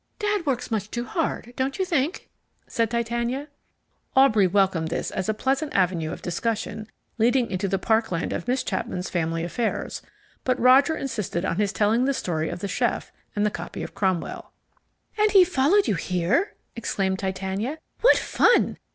"Dad works much too hard, don't you think?" said Titania. Aubrey welcomed this as a pleasant avenue of discussion leading into the parkland of Miss Chapman's family affairs; but Roger insisted on his telling the story of the chef and the copy of Cromwell. "And he followed you here?" exclaimed Titania. "What fun!